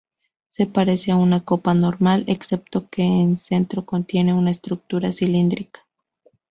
Se parece a una copa normal, excepto que en centro contiene una estructura cilíndrica.